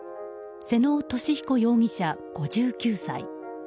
妹尾利彦容疑者、５９歳。